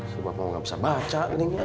sebenernya bapak gak bisa baca